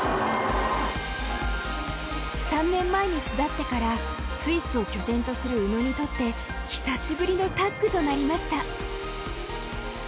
３年前に巣立ってからスイスを拠点とする宇野にとって久しぶりのタッグとなりました。